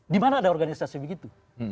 di mana ada organisasi begitu